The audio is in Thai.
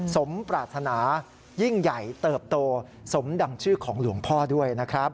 สมปรารถนายิ่งใหญ่เติบโตสมดังชื่อของหลวงพ่อด้วยนะครับ